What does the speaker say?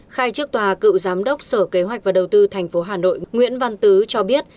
khai trước tòa cựu giám đốc sở kế hoạch và đầu tư tp hà nội nguyễn văn tứ cho biết